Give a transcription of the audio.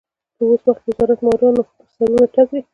په اوس وخت کې وزارت مارانو پر سرونو تګ دی.